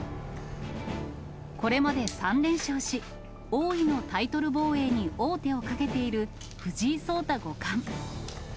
これまで３連勝し、王位のタイトル防衛に王手をかけている藤井聡太五冠。